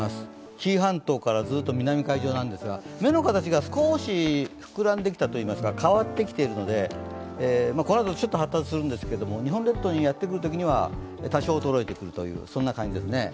紀伊半島からずっと南海上なんですが目の形が少し膨らんできたといいますか変わってきているので、このあとちょっと発達するんですけど日本列島にやってくるときには多少衰えてくる感じです